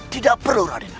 tidak perlu raden